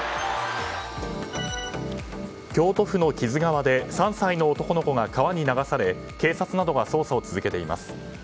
京都府の木津川で３歳の男の子が川に流され警察などが捜査を続けています。